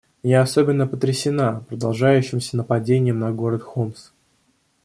Я особенно потрясена продолжающимся нападением на город Хомс.